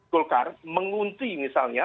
golkar mengunti misalnya